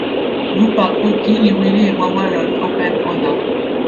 lupa poki li wile e wawa lon open ona.